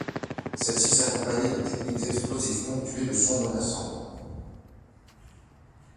Celle-ci s'accompagnait de techniques explosives ponctuées de sons menaçants.